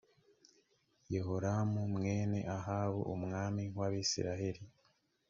yehoramu mwene ahabu umwami w abisirayeli